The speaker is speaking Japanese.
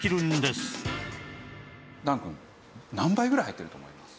檀くん何倍ぐらい入ってると思います？